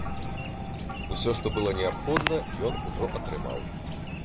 Усё, што было неабходна, ён ужо атрымаў.